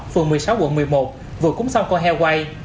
phường một mươi sáu quận một mươi một vừa cúng xong con heo quay